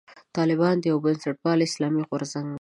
طالبان یو بنسټپالی اسلامي غورځنګ دی.